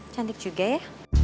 cantik juga ya